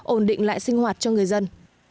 ổn định lại sinh hoạt cho người dân